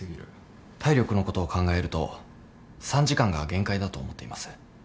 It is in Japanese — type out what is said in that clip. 体力のことを考えると３時間が限界だと思っています。